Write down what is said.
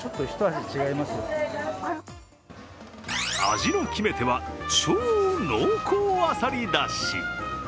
味の決め手は超濃厚あさりだし。